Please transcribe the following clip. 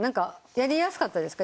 やりにくかったですか？